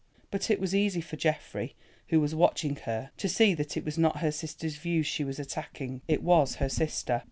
But it was easy for Geoffrey who was watching her to see that it was not her sister's views she was attacking; it was her sister.